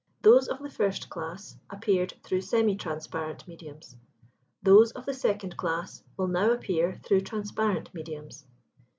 Those of the first class appeared through semi transparent mediums, those of the second class will now appear through transparent mediums.